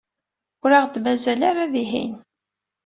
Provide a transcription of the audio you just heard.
Ur aɣ-d-mazal ara dihin.